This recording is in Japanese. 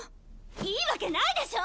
いいわけないでしょ！